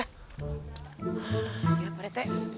hah ya pak rete